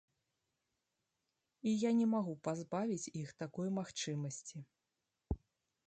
І я не магу пазбавіць іх такой магчымасці.